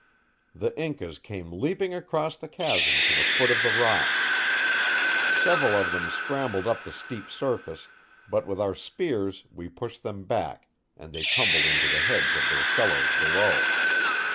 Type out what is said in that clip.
The Incas came leaping across the chasm to the foot of the rock. Several of them scrambled up the steep surface, but with our spears we pushed them back and they tumbled onto the heads of their fellows below.